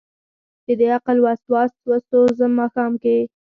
چې دعقل وسواس وسو ځم ماښام کې